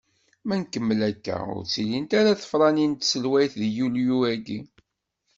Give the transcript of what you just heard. Ma tkemmel akka, ur d-ttilint ara tefranin n tselweyt di yulyu-agi.